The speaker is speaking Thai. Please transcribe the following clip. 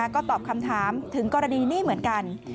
ก็ตอบคำถามถึงกรณีนี้เหมือนกัน